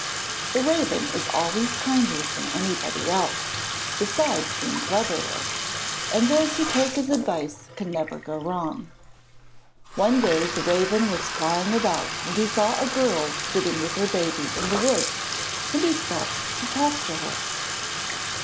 The Raven is always kinder than anybody else, besides being cleverer, and those who take his advice can never go wrong. One day the Raven was flying about, and he saw a girl sitting with her baby in the woods, and he stopped to talk to her.